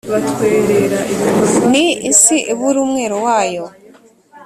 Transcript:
n isi ibura umwero wayo